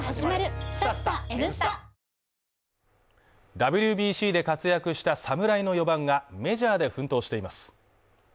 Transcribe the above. ＷＢＣで活躍した侍の４番がメジャーで奮闘しています。